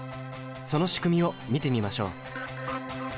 その仕組みを見てみましょう。